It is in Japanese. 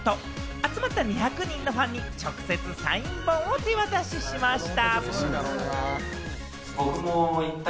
集まった２００人のファンに直接、サイン本を手渡しました。